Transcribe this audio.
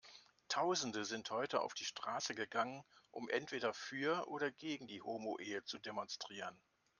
Tausende sind heute auf die Straße gegangen, um entweder für oder gegen die Homoehe zu demonstrieren.